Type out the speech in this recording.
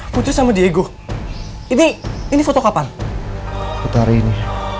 putus sama diego ini ini foto kapan putari ini